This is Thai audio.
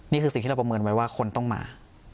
นี่คือสิ่งที่เราประเมินไว้ว่าคนต้องมา